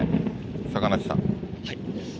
坂梨さん。